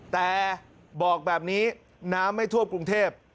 แต่บอกแบบนี้น้ำไม่ทั่วกรุงเทพ